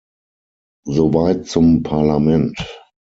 Soweit zum Parlament.